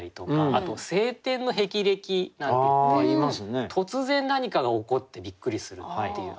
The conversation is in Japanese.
あと「青天の霹靂」なんていって突然何かが起こってびっくりするっていう。